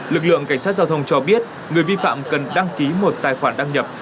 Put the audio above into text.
lực lượng cảnh sát giao thông cho biết người vi phạm cần đăng ký một tài khoản đăng nhập